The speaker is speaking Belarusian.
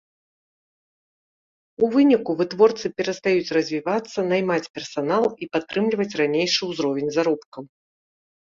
У выніку вытворцы перастаюць развівацца, наймаць персанал і падтрымліваць ранейшы ўзровень заробкаў.